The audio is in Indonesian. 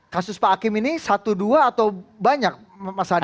kasus pak hakim ini satu dua atau banyak mas hadi